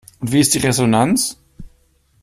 Und wie ist die Resonanz?